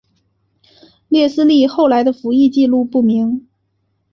列斯利后来的服役纪录不明。